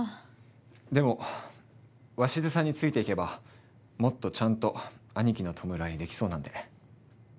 でも鷲津さんについていけばもっとちゃんと兄貴の弔いできそうなんで。